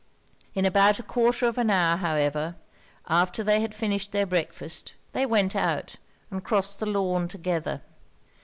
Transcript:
In about a quarter of an hour, however, after they had finished their breakfast, they went out and crossed the lawn together.